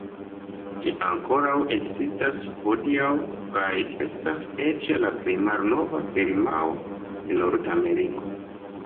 Ĝi ankoraŭ ekzistas hodiaŭ, kaj estas eĉ la plej malnova firmao de Nordameriko.